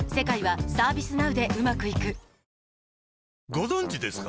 ご存知ですか？